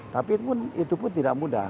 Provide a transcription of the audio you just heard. tapi itu pun tidak mudah